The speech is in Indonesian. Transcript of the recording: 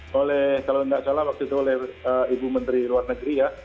kalau nggak salah waktu itu oleh ibu menteri luar negeri ya